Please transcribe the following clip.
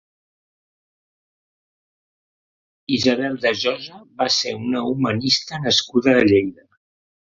Isabel de Josa va ser una humanista nascuda a Lleida.